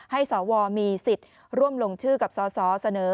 สวมีสิทธิ์ร่วมลงชื่อกับสสเสนอ